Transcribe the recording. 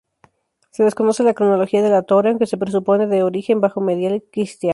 Se desconoce la cronología de la torre, aunque se presupone de origen bajomedieval cristiano.